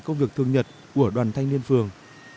công việc thường nhật của đoàn thanh niên phường